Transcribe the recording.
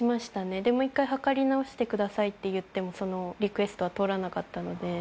で、もう一回測り直してくださいって言っても、リクエストは通らなかったので。